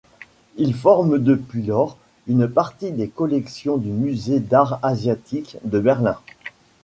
Ils forment depuis lors, une partie des collections du musée d'art asiatique de Berlin.